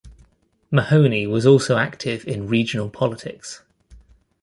Mahony was also active in regional politics.